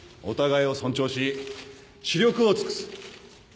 お互いを尊重し死力を尽くす。